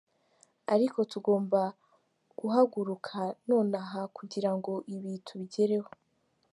Ariko tugomba guhaguruka nonaha kugira ngo ibi tubigereho.